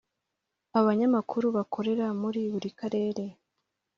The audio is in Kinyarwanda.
Abanyamakuru bakorera muri buri Karere